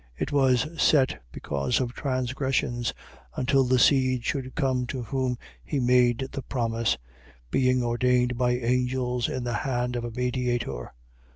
It was set because of transgressions, until the seed should come to whom he made the promise, being ordained by angels in the hand of a mediator.